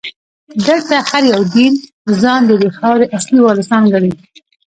دلته هر یو دین ځان ددې خاورې اصلي وارثان ګڼي.